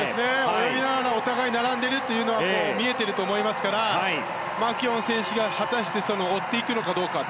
泳ぎながらお互い並んでいるというのが見えていると思いますからマキュオン選手が果たして追っていくのかどうか。